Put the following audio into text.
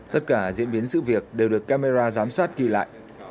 tất cả diễn biến sự việc đều được camera giám sát ghi lại